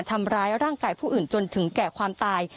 ทำร้ายร่างกายผู้อื่นจนถึงแก่ความตาย